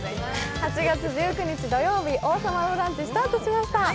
８月１９日土曜日、「王様のブランチ」スタートしました。